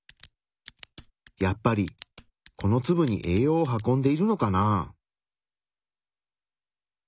やっぱりこのツブに栄養を運んでいるのかな？